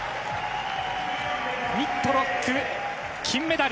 ウィットロック、金メダル。